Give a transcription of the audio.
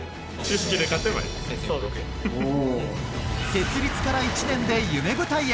設立から１年で夢舞台へ！